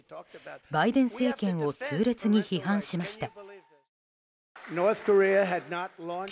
バイデン政権を痛烈に批判しました。